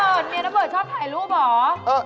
โอ๊ยน้ำเบิร์ดเมียน้ำเบิร์ดชอบถ่ายรูปเหรอ